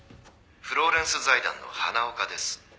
「フローレンス財団の花岡です」